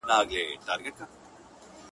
نه تر ستوني یې سو کښته تېرولالی؛